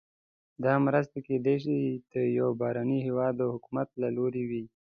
دا مرستې کیدای شي د یو بهرني هیواد د حکومت له لوري وي.